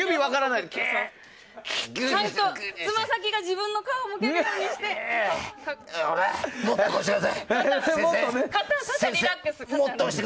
ちゃんとつま先が自分の顔を向くようにして。